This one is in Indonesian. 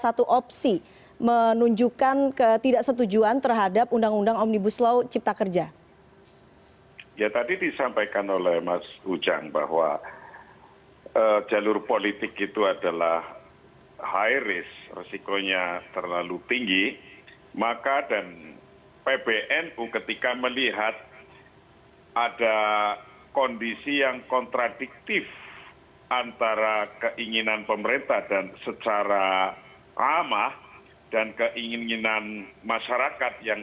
selain itu presiden judicial review ke mahkamah konstitusi juga masih menjadi pilihan pp muhammadiyah